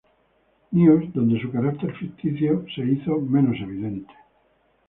News, donde su carácter ficticio se hizo menos evidente.